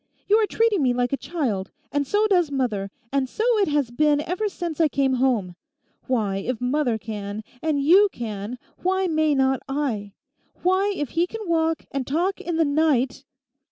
You are treating me like a child; and so does mother, and so it has been ever since I came home. Why, if mother can, and you can, why may not I? Why, if he can walk and talk in the night....